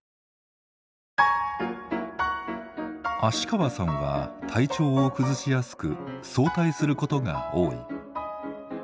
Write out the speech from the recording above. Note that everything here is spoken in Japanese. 芦川さんは体調を崩しやすく早退することが多い。